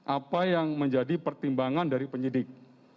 apa yang menjadi pertimbangan dari penyidik